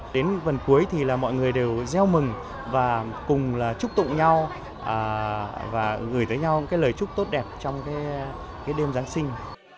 đến phần cuối thì là mọi người đều gieo mừng và cùng là chúc tụng nhau và gửi tới nhau cái lời chúc tốt đẹp trong cái đêm giáng sinh